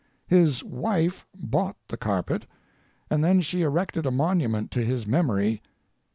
His wife bought the carpet, and then she erected a monument to his memory.